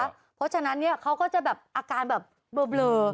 เพราะฉะนั้นเนี่ยเขาก็จะแบบอาการแบบเบลอ